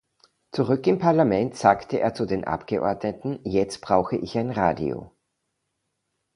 Zurück im Parlament sagte er zu den Abgeordneten „Jetzt brauche ich ein Radio“.